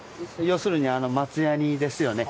要するに松ヤニですよね。